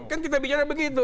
kan kita bicara begitu